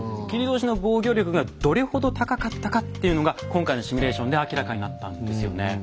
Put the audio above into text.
切通の防御力がどれほど高かったかっていうのが今回のシミュレーションで明らかになったんですよね。